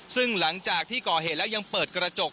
ซึ่งหลังจากที่ก่อเหตุแล้วยังเปิดกระจก